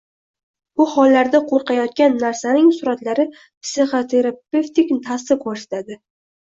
Bu hollarda qo‘rqitayotgan narsaning suratlari psixoterapevtik ta’sir ko‘rsatadi.